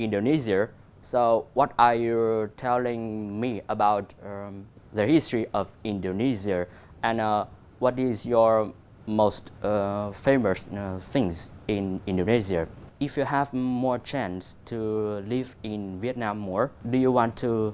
đôi khi chúng ta sử dụng những nguyên liệu mà chúng ta không sử dụng